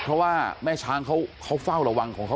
เพราะว่าแม่ช้างเขาเฝ้าระวังของเขา